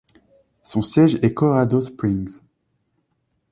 Son siège est Colorado Springs.